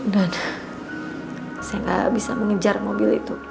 dan saya nggak bisa mengejar mobil itu